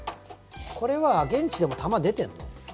これは現地でも球出てんの？